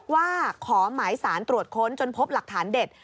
ว่าขอหมายสารตรวจค้นจนพบหลักฐานเด็ด